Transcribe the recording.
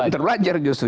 kaum terpelajar justru